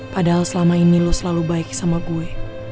padahal selama ini lo selalu baik sama gue